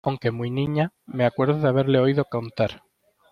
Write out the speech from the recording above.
aunque muy niña, me acuerdo de haberle oído contar...